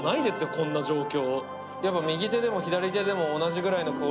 こんな状況